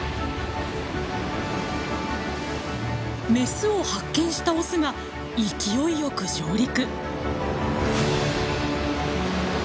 メスを発見したオスが勢いよく上陸。